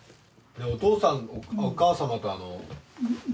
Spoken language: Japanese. お父さんお母様と。